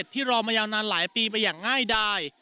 ที่รอมายาวนานหลายปีไปอย่างง่ายดาย